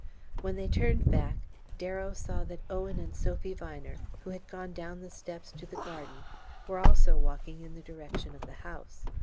When they turned back, Darrow saw that Owen and Sophy Viner, who had gone down the steps to the garden, were also walking in the direction of the house.